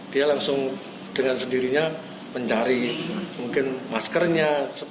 dia langsung dengan sendirinya mencari mungkin maskernya